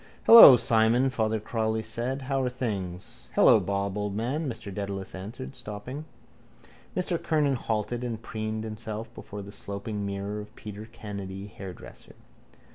—Hello, Simon, Father Cowley said. How are things? —Hello, Bob, old man, Mr Dedalus answered, stopping. Mr Kernan halted and preened himself before the sloping mirror of Peter Kennedy, hairdresser.